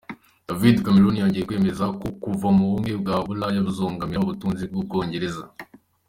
David Cameron yongeye kwemeza ko kuva mu Bumwe bwa Bulaya bizobangamira ubutunzi bw'Ubwongereza.